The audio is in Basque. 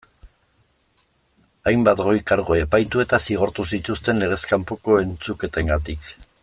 Hainbat goi kargu epaitu eta zigortu zituzten legez kanpoko entzuketengatik.